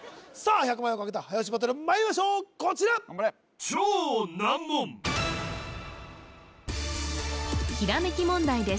１００万円をかけた早押しバトルまいりましょうこちらひらめき問題です